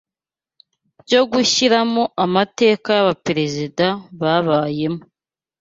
byo gushyiramo amateka y’abaperezida babayemo